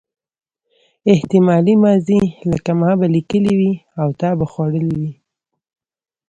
احتمالي ماضي لکه ما به لیکلي وي او تا به خوړلي وي.